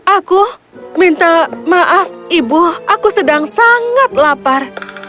aku minta maaf ibu aku sedang sangat lapar